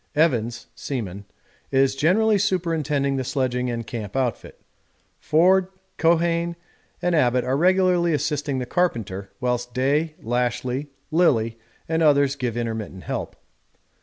Evans (seaman) is generally superintending the sledging and camp outfit. Forde, Keohane, and Abbott are regularly assisting the carpenter, whilst Day, Lashly, Lillie, and others give intermittent help.